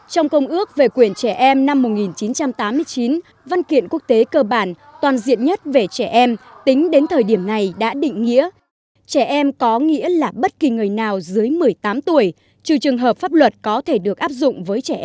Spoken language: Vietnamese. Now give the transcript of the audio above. trong công ước về quyền trẻ em năm một nghìn chín trăm tám mươi chín văn kiện quốc tế cơ bản toàn diện nhất về trẻ em tính đến thời điểm này đã định nghĩa trẻ em có nghĩa là bất kỳ người nào dưới một mươi tám tuổi trừ trường hợp pháp luật có thể được áp dụng với trẻ em